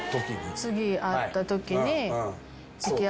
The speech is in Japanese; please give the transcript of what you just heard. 次会ったときに。